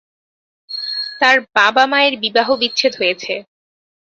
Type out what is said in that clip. তার বাবা-মায়ের বিবাহবিচ্ছেদ হয়েছে।